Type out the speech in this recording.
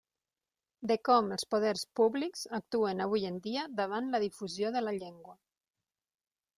De com els “poders públics” actuen avui en dia davant la difusió de la llengua.